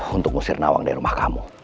untuk ngusir nawang dari rumah kamu